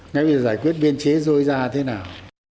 ngay bây giờ giải quyết biên chế rôi ra thế nào